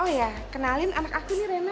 oh ya kenalin anak aku nih rena